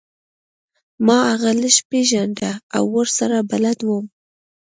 ما هغه لږ پیژنده او ورسره بلد وم